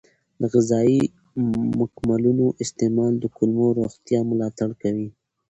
د غذایي مکملونو استعمال د کولمو روغتیا ملاتړ کوي.